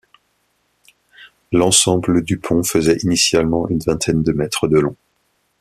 L'ensemble du pont faisait, initialement, une vingtaine de mètre de long.